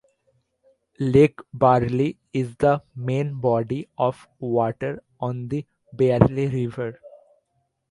Lake Barley is the main body of water on the Barley River.